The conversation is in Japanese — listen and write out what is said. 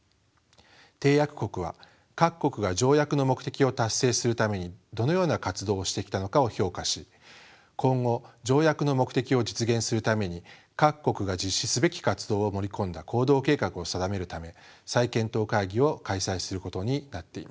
締約国は各国が条約の目的を達成するためにどのような活動をしてきたのかを評価し今後条約の目的を実現するために各国が実施すべき活動を盛り込んだ行動計画を定めるため再検討会議を開催することになっています。